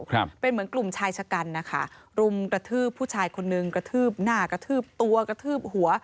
ครับเป็นเหมือนกลุ่มชายชะกันนะคะรุมกระทืบผู้ชายคนนึงกระทืบหน้ากระทืบตัวกระทืบหัว